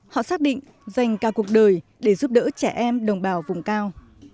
họ xác định dành cả cuộc đời để giúp đỡ trẻ em đồng bào vùng cao